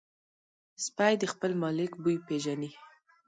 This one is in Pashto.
سپي د خپل مالک بوی پېژني.